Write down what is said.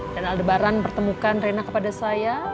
dan aldebaran pertemukan reina kepada saya